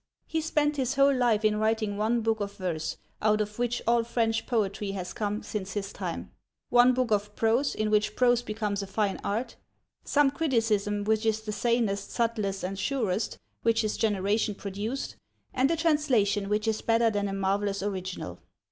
He spent his whole life in writing one book of verse (out of which all French poetry has come since his time), one book of prose in which prose becomes a fine art, some criticism which is the sanest, subtlest, and surest which his generation produced, and a translation which is better than a marvellous original.